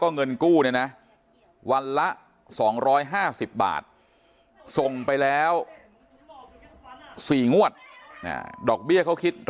เงินกู้เนี่ยนะวันละ๒๕๐บาทส่งไปแล้ว๔งวดดอกเบี้ยเขาคิด